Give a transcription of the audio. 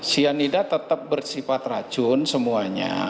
cyanida tetap bersifat racun semuanya